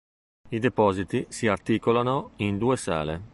I depositi si articolano in due sale.